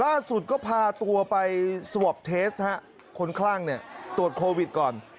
ล่าสุดก็พาตัวไปสวอปเทสคนคลั่งเนี่ยตรวจโควิดก่อน